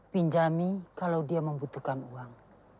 pinjami kalau dia membutuhkan uang